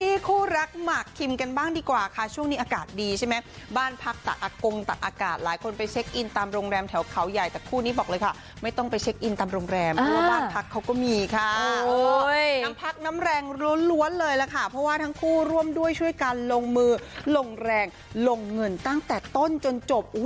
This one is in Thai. คู่รักหมากคิมกันบ้างดีกว่าค่ะช่วงนี้อากาศดีใช่ไหมบ้านพักตักอากงตักอากาศหลายคนไปเช็คอินตามโรงแรมแถวเขาใหญ่แต่คู่นี้บอกเลยค่ะไม่ต้องไปเช็คอินตามโรงแรมเพราะว่าบ้านพักเขาก็มีค่ะน้ำพักน้ำแรงล้วนเลยล่ะค่ะเพราะว่าทั้งคู่ร่วมด้วยช่วยกันลงมือลงแรงลงเงินตั้งแต่ต้นจนจบ